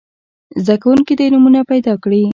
زده کوونکي دې نومونه پیداکړي.